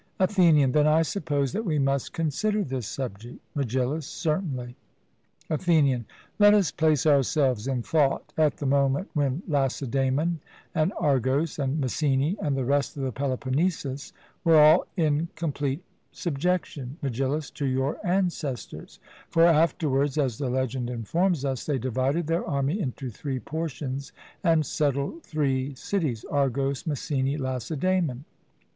ATHENIAN: Then I suppose that we must consider this subject? MEGILLUS: Certainly. ATHENIAN: Let us place ourselves in thought at the moment when Lacedaemon and Argos and Messene and the rest of the Peloponnesus were all in complete subjection, Megillus, to your ancestors; for afterwards, as the legend informs us, they divided their army into three portions, and settled three cities, Argos, Messene, Lacedaemon.